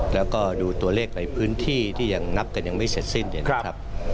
แล้วก็ดูตัวเลขในพื้นที่ที่ยังนับกันยังไม่เสร็จสิ้นเนี่ยนะครับ